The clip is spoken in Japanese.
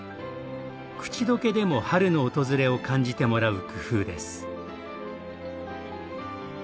口溶けでも春の訪れを感じてもらう工夫です。